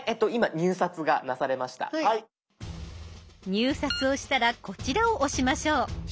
入札をしたらこちらを押しましょう。